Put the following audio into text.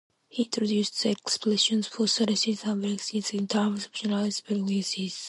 He introduced the expressions for Cartesian velocities in terms of generalized velocities.